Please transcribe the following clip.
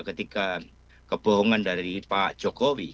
ketika kebohongan dari pak jokowi